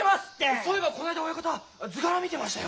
そういえばこの間親方図柄見てましたよ。